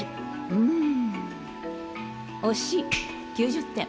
んん惜しい９０点。